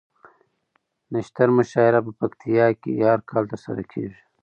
نښتر مشاعره په پکتيا کې هر کال ترسره کیږي